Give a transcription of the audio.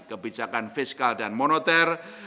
kebijakan fiskal dan moneter